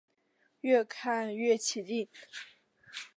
越看越起劲